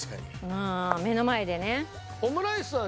ああ目の前でね。